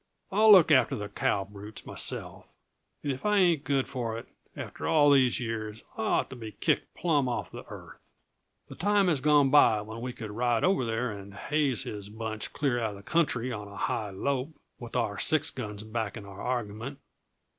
I'll look after the cow brutes myself and if I ain't good for it, after all these years, I ought to be kicked plumb off the earth. The time has gone by when we could ride over there and haze his bunch clear out uh the country on a high lope, with our six guns backing our argument.